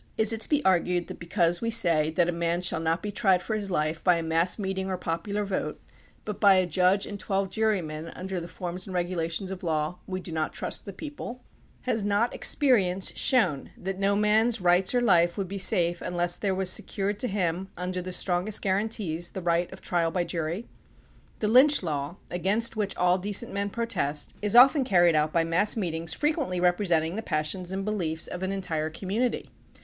Is it to be argued that because we say that a man shall not be tried for his life by a mass meeting or a popular vote, but by a judge and twelve jurymen under the forms and regulations of law, we do not trust the people ? Has not experience shown that no man's rights or life would be safe unless there was secured to him under the strongest guaranties the right of trial by jury? The lynch law, against which all decent men protest, is often carried out by mass meet ings frequently representing the passions and beliefs of an entire community.